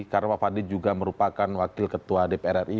karena pak fadli juga merupakan wakil ketua dpr ri